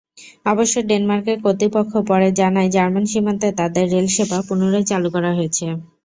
অবশ্য ডেনমার্কের কর্তৃপক্ষ পরে জানায়, জার্মান সীমান্তে তাদের রেলসেবা পুনরায় চালু করা হয়েছে।